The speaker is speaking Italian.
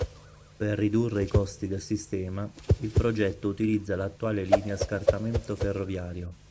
Per ridurre i costi del sistema, il progetto utilizza l'attuale linea a scartamento ferroviario.